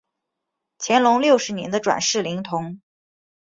乾隆六十年的转世灵童。